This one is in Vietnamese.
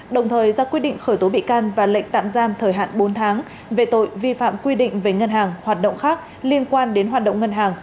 đồng thời ra quyết định khởi tố bị can và lệnh tạm giam thời hạn bốn tháng về tội vi phạm quy định về ngân hàng hoạt động khác liên quan đến hoạt động ngân hàng